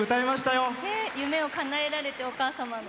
夢をかなえられて、お母様の。